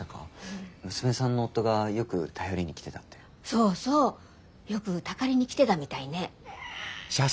そうそうよくたかりに来てたみたいね。